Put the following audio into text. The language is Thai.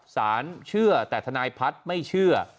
เชื่อแต่ทนายพัฒน์ไม่เชื่อ